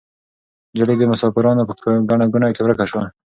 نجلۍ د مسافرانو په ګڼه ګوڼه کې ورکه شوه.